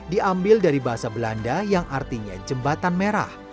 diambil dari bahasa belanda yang artinya jembatan merah